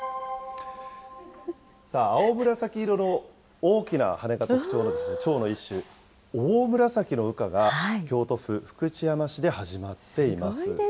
青紫色の大きな羽が特徴のチョウの一種、オオムラサキの羽化が京都府福知山市で始まっています。